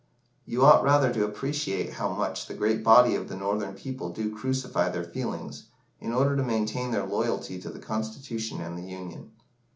You ought rather to appreciate how much the great body of the Northern people do crucify their feelings, in order to maintain their loyalty to the Constitution and the Union.